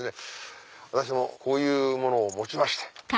私もこういうものを持ちまして。